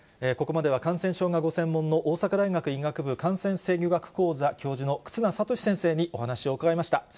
ここまでは感染症がご専門の、大阪大学医学部感染制御学講座教授の忽那賢志先生にお話を伺いました。